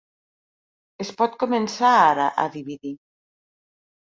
Es pot començar ara a dividir.